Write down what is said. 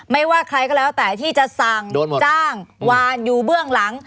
ไม่ว่าใครก็แล้วแต่ที่จะสั่งจ้างวานอยู่เบื้องหลัง